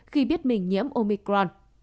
khi biết mình nhiễm omicron